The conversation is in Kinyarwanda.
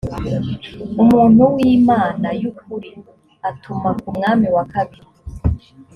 umuntu w imana y ukuri atuma ku mwami wa kabiri